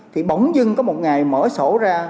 thì bỗng dưng có một ngày mở sổ ra